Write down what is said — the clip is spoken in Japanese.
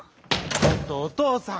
ちょっとおとうさん。